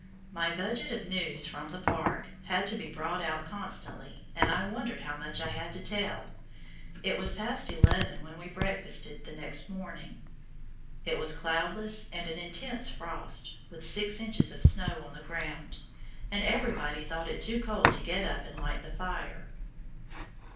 My budget of news from "the park" had to be brought out constantly, and I wondered how much I had to tell. It was past eleven when we breakfasted the next morning. It was cloudless with an intense frost, and six inches of snow on the ground, and everybody thought it too cold to get up and light the fire.